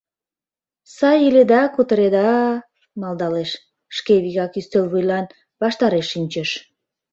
— Сай иледа-кутыреда? — малдалеш, шке вигак ӱстел вуйлан ваштареш шинчеш.